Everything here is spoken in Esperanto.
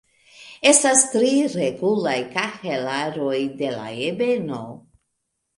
Estas tri regulaj kahelaroj de la ebeno.